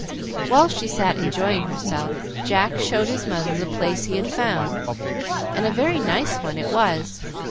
While she sat enjoying herself, Jack showed his mother the place he had found, and a very nice one it was.